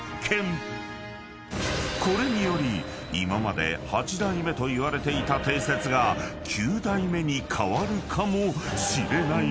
［これにより今まで８代目といわれていた定説が９代目に変わるかもしれないのだ］